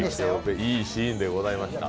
いいシーンでございました。